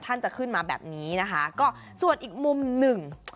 ท่านจะขึ้นมาแบบนี้นะคะก็ส่วนอีกมุมหนึ่ง